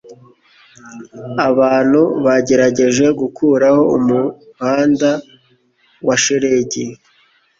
Abantu bagerageje gukuraho umuhanda wa shelegi.